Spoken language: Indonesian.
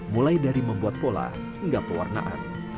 mulai dari membuat pola hingga pewarnaan